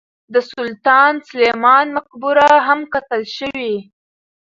د سلطان سلیمان مقبره هم کتل شوې.